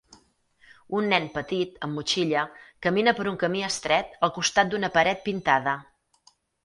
Un nen petit amb motxilla camina per un camí estret al costat d'una paret pintada.